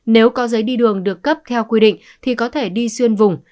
nếu có giấy đi đường được cấp theo quy định thì có thể đi xuyên vùng